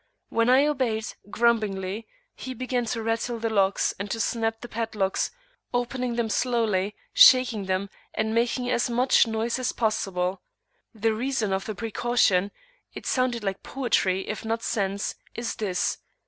When I obeyed, grumblingly, he began to rattle the locks, and to snap the padlocks, opening them slowly, shaking them, and making as much noise as possible. The reason of the precaution it sounded like poetry if not sense is this.